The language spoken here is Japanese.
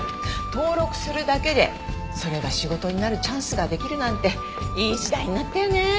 登録するだけでそれが仕事になるチャンスができるなんていい時代になったよね。